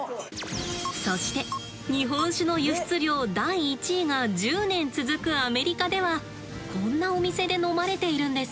そして日本酒の輸出量第一位が１０年続くアメリカではこんなお店で飲まれているんです。